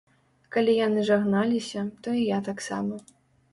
Калі яны жагналіся, то і я таксама.